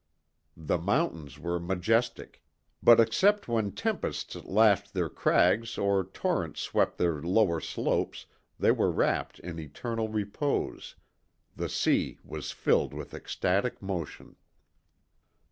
The mountains were majestic, but except when tempests lashed their crags or torrents swept their lower slopes they were wrapped in eternal repose; the sea was filled with ecstatic motion.